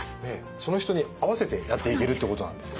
その人に合わせてやっていけるってことなんですね。